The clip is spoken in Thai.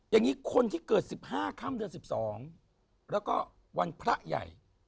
อย่างนี้คนที่เกิด๑๕ค่ำเดือน๑๒แล้วก็วันพระใหญ่